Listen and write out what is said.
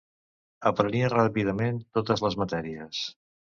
Aprenia ràpidament totes les matèries.